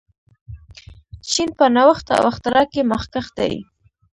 چین په نوښت او اختراع کې مخکښ دی.